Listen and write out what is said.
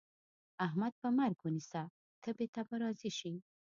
احمد په مرګ ونيسه؛ تبې ته به راضي شي.